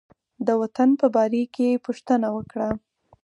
د وطن په باره کې یې پوښتنه وکړه.